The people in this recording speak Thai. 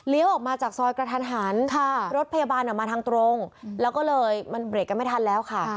ออกมาจากซอยกระทันหันรถพยาบาลมาทางตรงแล้วก็เลยมันเบรกกันไม่ทันแล้วค่ะ